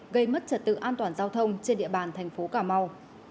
gây mất trật tự an toàn giao thông trên địa bàn tp cà mau